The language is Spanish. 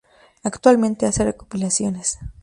Actualmente, hace recopilaciones.